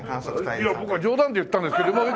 いや僕は冗談で言ったんですけど。